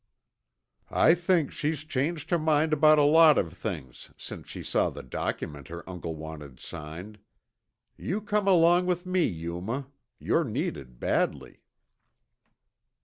"I think she's changed her mind about a lot of things since she saw the document her uncle wanted signed. You come along with me, Yuma you're needed badly."